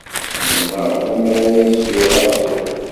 Mennaɣ lemmer d ay zmireɣ ad dduɣ.